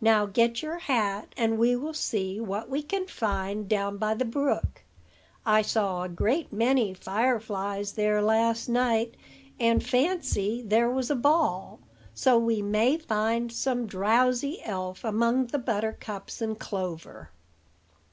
Now get your hat, and we will see what we can find down by the brook. I saw a great many fireflies there last night, and fancy there was a ball; so we may find some drowsy elf among the buttercups and clover."